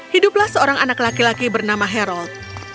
hiduplah seorang anak laki laki bernama harald